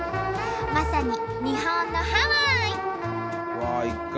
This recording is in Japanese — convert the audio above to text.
まさに日本のハワイ！